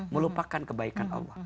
melupakan kebaikan allah